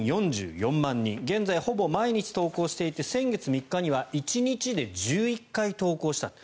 現在、ほぼ毎日投稿していて先月３日には１日で１１回投稿した。